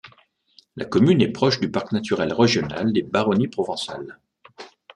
La commune est proche du parc naturel régional des Baronnies provençales.